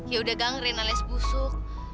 ya udah gangrin alias busuk